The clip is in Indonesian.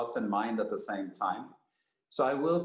tidak ada pandemi